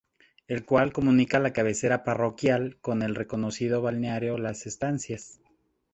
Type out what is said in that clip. El cual comunica la cabecera parroquial con el reconocido Balneario Las Estancias.